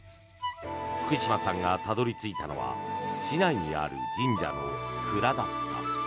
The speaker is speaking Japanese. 福島さんがたどり着いたのは市内にある神社の蔵だった。